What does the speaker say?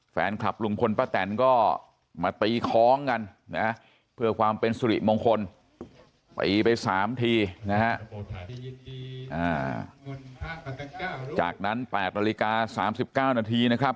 แฟนคลับลุงพลป้าแตนก็มาตีคล้องกันนะเพื่อความเป็นสุริมงคลตีไป๓ทีนะฮะจากนั้น๘นาฬิกา๓๙นาทีนะครับ